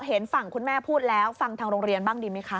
เห็นฝั่งคุณแม่พูดแล้วฟังทางโรงเรียนบ้างดีไหมคะ